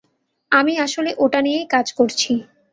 আমি আসলে ওটা নিয়েই কাজ করছি।